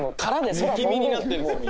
むき身になってるんですよ